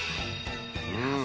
うん。